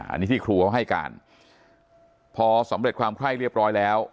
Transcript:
อันนี้ที่ครูเขาให้การพอสำเร็จความไคร้เรียบร้อยแล้ว